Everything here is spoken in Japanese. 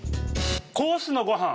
「コースのごはん」。